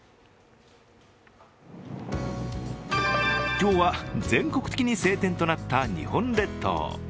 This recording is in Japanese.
今日は全国的に晴天となった日本列島。